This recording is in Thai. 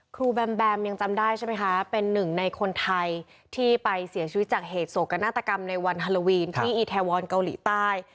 แบมแบมยังจำได้ใช่ไหมคะเป็นหนึ่งในคนไทยที่ไปเสียชีวิตจากเหตุโศกนาฏกรรมในวันฮาโลวีนที่อีแทวอนเกาหลีใต้